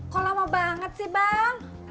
kok lama banget sih bang